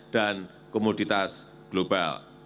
dan komoditas global